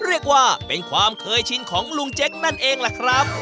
เรียกว่าเป็นความเคยชินของลุงเจ๊กนั่นเองล่ะครับ